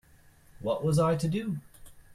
What was I to do?